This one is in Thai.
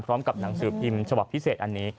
พร้อมกับหนังสือพิมพ์ฉบับพิเศษอันนี้